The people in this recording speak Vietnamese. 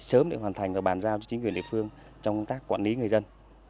sớm để hoàn thành và bàn giao cho chính quyền địa phương trong công tác quản lý người dân